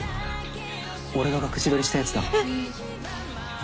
俺が隠し撮りしたやつだ。えっ？